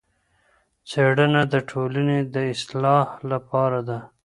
څېړنه د ټولني د اصلاح لپاره ده.